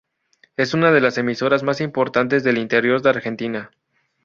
Es una de las emisoras más importantes del interior de Argentina.